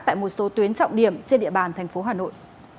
tại một số tuyến trọng điểm trên địa bàn thành phố hà nội